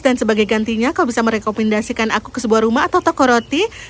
dan sebagai gantinya kau bisa merekomendasikan aku ke sebuah rumah atau toko roti